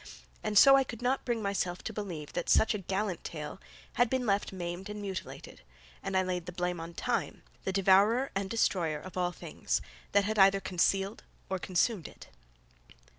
And so I could not bring myself to believe that such a gallant tale had been left maimed and mutilated, and I laid the blame on Time, the devourer and destroyer of all things, that had either concealed or consumed it.